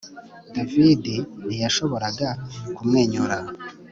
David ntiyashoboraga kumwenyura